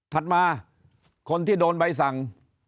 ถัดมาคนที่โดนใบสั่ง